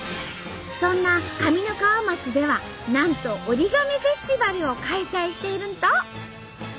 そんな上三川町ではなんとＯＲＩＧＡＭＩフェスティバルを開催しているんと！